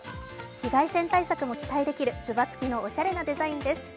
紫外線対策も期待できるつば付きのおしゃれなデザインです。